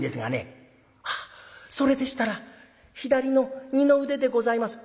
「それでしたら左の二の腕でございます」。